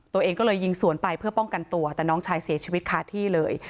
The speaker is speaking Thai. ตัวเองก็เลยยิงสวนไปเพื่อป้องกันตัวแต่น้องชายเสียชีวิตคาที่เลย